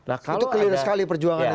itu keliru sekali perjuangan itu ya